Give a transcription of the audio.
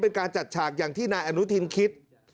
เป็นการจัดฉากอย่างที่นายอนุทินคิด